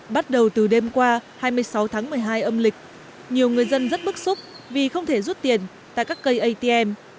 bắt đầu từ đêm qua hai mươi sáu tháng một mươi hai âm lịch nhiều người dân rất bức xúc vì không thể rút tiền tại các cây atm